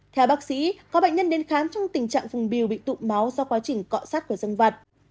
theo bác sĩ có bệnh nhân đến khám trong tình trạng vùng biêu bị tụ máu do quá trình cọ sát của dân vật